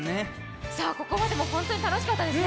ここまでも本当に楽しかったですね。